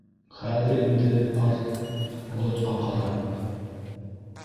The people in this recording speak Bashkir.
Хәҙер инде ҡарт, болотҡа ҡарап: